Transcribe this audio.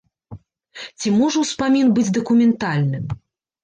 Ці можа ўспамін быць дакументальным?